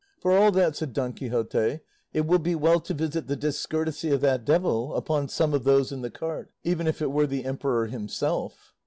"For all that," said Don Quixote, "it will be well to visit the discourtesy of that devil upon some of those in the cart, even if it were the emperor himself."